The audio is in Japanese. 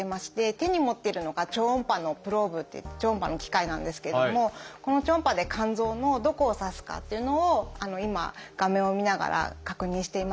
手に持っているのが超音波のプローブっていって超音波の機械なんですけどもこの超音波で肝臓のどこを刺すかっていうのを今画面を見ながら確認しています。